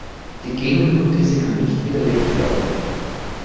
Die Gegenhypothese kann nicht widerlegt werden.